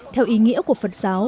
theo ý nghĩa của phật giáo